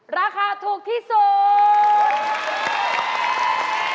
ราคาถูกที่สุด